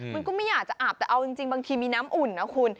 มันก็ไม่อยากจะอาบแต่เอาจริงบางทีมีน้ำอุ่นนะคุณ